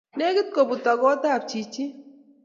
Nekit koputok kot ap chichin